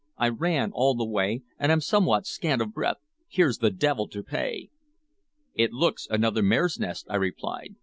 "I ran all the way, and am somewhat scant of breath. Here's the devil to pay!" "It looks another mare's nest," I replied.